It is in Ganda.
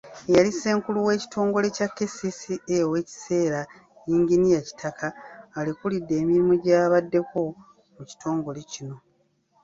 Eyali Ssenkulu wa w'ekitongole kya KCCA ow'ekiseera, yinginiya Kitaka, alekulidde emirimu gy'abaddeko mu kitongole kino.